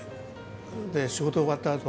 仕事終わったあと